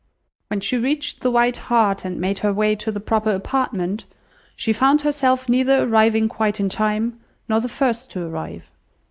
When she reached the White Hart, and made her way to the proper apartment, she found herself neither arriving quite in time, nor the first to arrive.